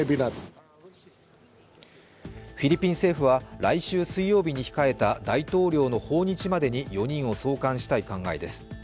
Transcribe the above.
フィリピン政府は来週水曜日に控えた大統領の訪日までに４人を送還したい考えです。